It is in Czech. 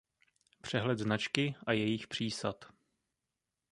Přehled značky a jejich přísad.